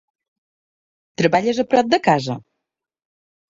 Treballes a prop de casa?